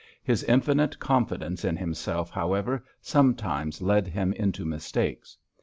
His infinite confidence in himself, however, sometimes led him into mistakes.